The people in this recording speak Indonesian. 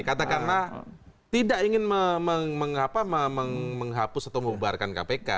katakanlah tidak ingin menghapus atau membubarkan kpk